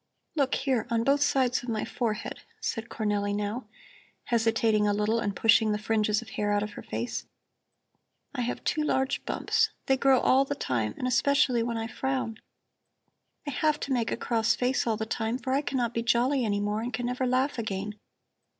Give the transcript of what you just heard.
"Look, here on both sides of my forehead," said Cornelli now, hesitating a little and pushing the fringes of hair out of her face, "I have two large bumps, they grow all the time and especially when I frown. I have to make a cross face all the time, for I cannot be jolly any more and can never laugh again.